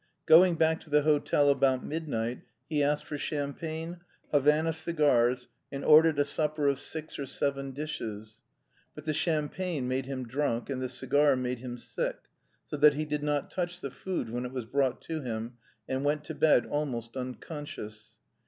Going back to the hotel about midnight he asked for champagne, Havana cigars, and ordered a supper of six or seven dishes. But the champagne made him drunk, and the cigar made him sick, so that he did not touch the food when it was brought to him, and went to bed almost unconscious.